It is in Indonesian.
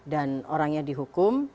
dan orangnya dihukum